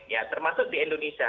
ya termasuk di indonesia